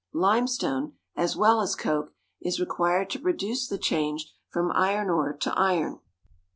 Limestone, as well as coke, is required to produce the change from iron ore to iron.